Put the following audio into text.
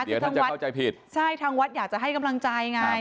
เดี๋ยวทางวัดเข้าใจผิดใช่ทางวัดอยากจะให้กำลังใจไง